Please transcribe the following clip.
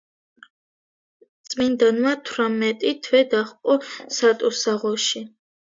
წმინდანმა თვრამეტი თვე დაჰყო სატუსაღოში.